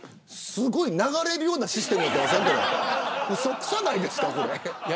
すごい流れるようなシステムでうそ臭くないですか。